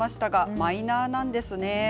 マイナーなんですね。